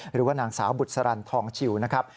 หรือว่านางสาวบุษรันทองชิวนะครับ